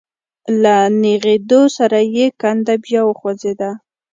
له نېغېدو سره يې کنده بيا وخوځېده.